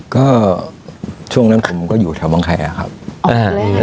ก็ช่วงนั้นผมก็อยู่แถวบังแอร์ครับอ่า